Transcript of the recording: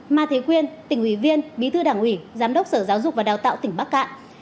ma thế quyên tỉnh ủy viên bí thư đảng ủy giám đốc sở giáo dục và đào tạo tỉnh bắc cạn